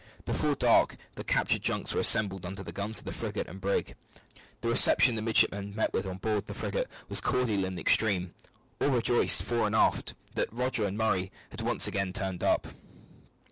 Before dark the captured junks were assembled under the guns of the frigate and brig. The reception the midshipmen met with on board the frigate was cordial in the extreme. All rejoiced, fore and aft, that Rogers and Murray had once more turned up.